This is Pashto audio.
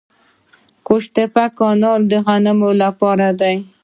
قوش تیپه کانال د غنمو لپاره دی.